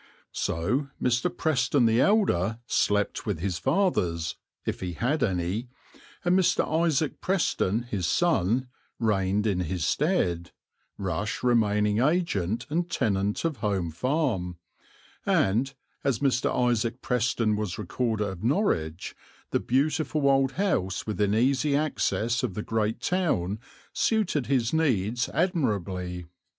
So Mr. Preston the elder slept with his fathers, if he had any, and Mr. Isaac Preston his son reigned in his stead, Rush remaining agent and tenant of the Home Farm; and, as Mr. Isaac Preston was Recorder of Norwich, the beautiful old house within easy access of the great town suited his needs admirably.